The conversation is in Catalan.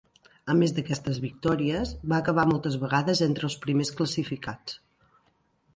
A més d'aquestes victòries, va acabar moltes vegades entre els primers classificats.